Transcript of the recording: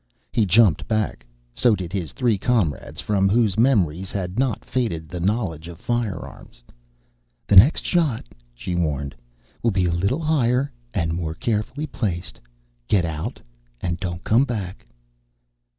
He jumped back. So did his three comrades, from whose memories had not faded the knowledge of firearms. "The next shot," she warned, "will be a little higher and more carefully placed. Get out, and don't come back."